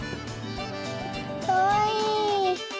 かわいい。